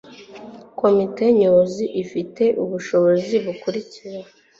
Komite Nyobozi ifite ubushobozi bukurikira